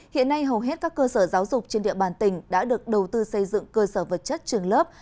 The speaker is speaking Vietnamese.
hiện nay hầu hết các cơ sở giáo dục trên địa bàn tỉnh đã được đầu tư xây dựng cơ sở vật chất trường lớp